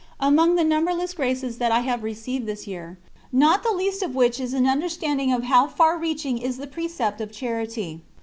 Among the numberless graces that I have received this year, not the least is an understanding of how far reaching is the precept of charity.